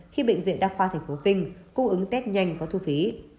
khi bệnh viện đắc khoa thành phố vinh cung ứng test nhanh có thu phí